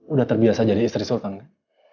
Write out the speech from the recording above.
udah terbiasa jadi istri sultan kan